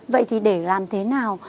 vậy thì để làm thế nào